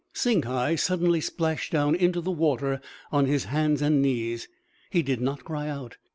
Singhai suddenly splashed down into the water, on his hands and knees. He did not cry out.